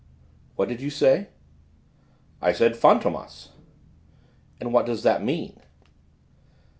"What did you say?" "I said: Fantômas." "And what does that mean?"